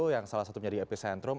yang salah satunya di epicentrum